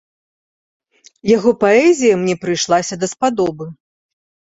Яго паэзія мне прыйшлася даспадобы.